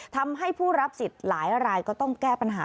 ทำให้ผู้รับสิทธิ์หลายรายก็ต้องแก้ปัญหา